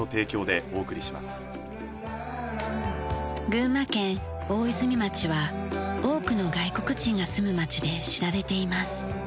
群馬県大泉町は多くの外国人が住む町で知られています。